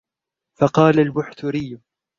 فَقَالَ الْبُحْتُرِيُّ